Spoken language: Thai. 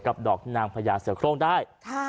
ดอกนางพญาเสือโครงได้